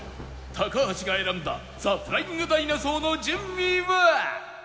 橋が選んだザ・フライング・ダイナソーの順位は？